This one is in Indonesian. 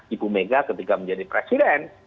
ibu mega ketika menjadi presiden